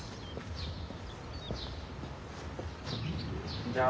こんにちは。